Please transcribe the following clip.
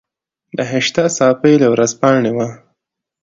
بهشته صافۍ له ورځپاڼې وه.